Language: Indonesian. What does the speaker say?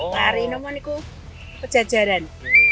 pali namanya itu pejajaran